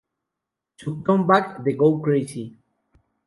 Su comeback de Go Crazy!